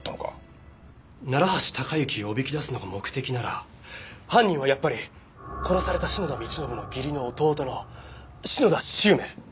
楢橋高行をおびき出すのが目的なら犯人はやっぱり殺された篠田道信の義理の弟の篠田周明。